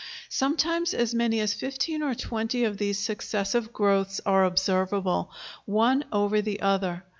Sometimes as many as fifteen or twenty of these successive growths are observable, one over the other.